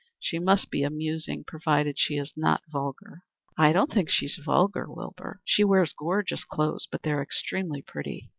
She must be amusing, provided she is not vulgar." "I don't think she's vulgar, Wilbur. She wears gorgeous clothes, but they're extremely pretty.